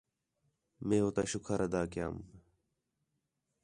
مئے ہو تا شُکر ادا کیام